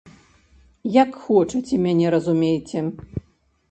Як хочаце мяне разумейце.